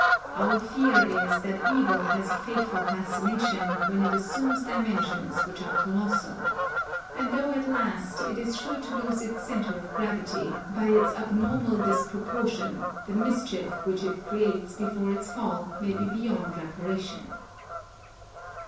Our fear is that evil has a fateful fascination, when it assumes dimensions which are colossal, and though at last, it is sure to lose its centre of gravity, by its abnormal disproportion, the mischief which it creates before its fall may be beyond reparation.